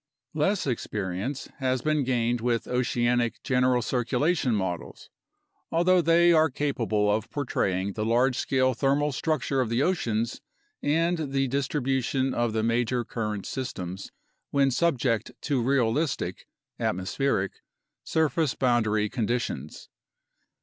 Less experience has been gained with oceanic general circulation models, although they are capable of portraying the large scale thermal structure of the oceans and the distribution of the major current sys tems when subject to realistic (atmospheric) surface boundary condi tions.